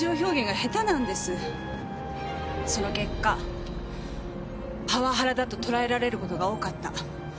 その結果パワハラだと捉えられる事が多かった。